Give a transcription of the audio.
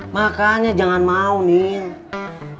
makanya jangan mau niel